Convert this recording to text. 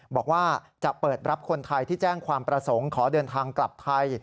บอกว่าจะเปิดรับคนไทยที่แจ้งความประสงค์ขอเดินทางกลับไทย